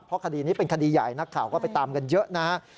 เพราะคดีนี้เป็นคดีใหญ่นักข่าวก็ไปตามกันเยอะนะครับ